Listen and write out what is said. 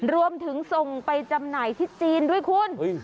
รวมถึงส่งไปจำหน่ายที่จีนด้วยคุณ